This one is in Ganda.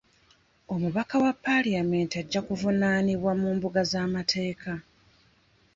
Omubaka wa paalamenti ajja kuvunaanibwa mu mbuga z'amateeka.